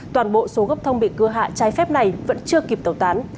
toàn bộ số gốc thông bị cưa hạ trái phép này vẫn chưa kịp tẩu tán